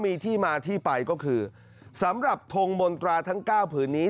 มีที่มาที่ไปก็คือสำหรับทงมนตราทั้ง๙ผืนนี้